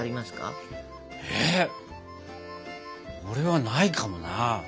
俺はないかもな。